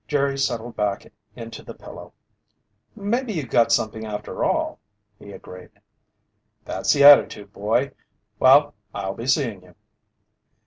Jerry settled back into the pillow. "Maybe you've got something after all," he agreed. "That's the attitude, boy. Well, I'll be seeing you."